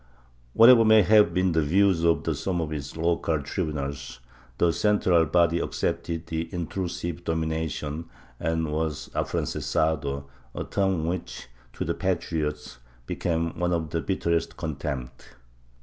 Whatever may have been the views of some of the local tribunals, the central body accepted the intrusive domination and was afrancesado — a term which, to the patriots, became one of the bitterest contempt.